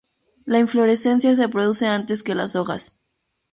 La inflorescencia se produce antes que las hojas.